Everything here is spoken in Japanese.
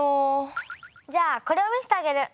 じゃあこれを見せてあげる。